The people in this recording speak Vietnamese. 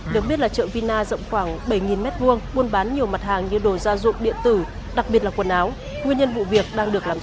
được biết là chợ vina rộng khoảng bảy m hai buôn bán nhiều mặt hàng như đồ gia dụng điện tử đặc biệt là quần áo nguyên nhân vụ việc đang được làm rõ